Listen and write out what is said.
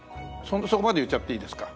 そこまで言っちゃっていいですか？